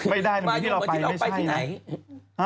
ไม่ได้เหมือนที่เราไปไม่ใช่นะ